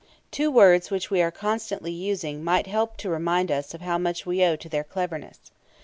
Two words which we are constantly using might help to remind us of how much we owe to their cleverness.